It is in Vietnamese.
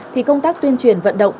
thì công tác tuyên truyền vận động